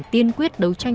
tiên quyết đấu tranh